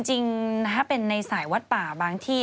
จริงถ้าเป็นในสายวัดป่าบางที่